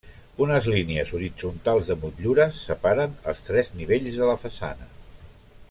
Unes línies horitzontals de motllures separen els tres nivells de la façana.